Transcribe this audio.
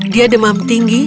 dia demam tinggi